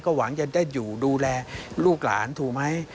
หวังจะได้อยู่ดูแลลูกหลานถูกไหม